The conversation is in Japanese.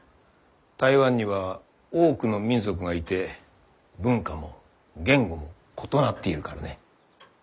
台湾には多くの民族がいて文化も言語も異なっているからね。